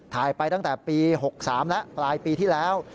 ถ่ายไปตั้งแต่ปี๖๓แล้วปลายปีที่แล้ว